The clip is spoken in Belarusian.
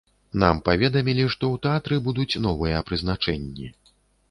Нам паведамілі, што ў тэатры будуць новыя прызначэнні.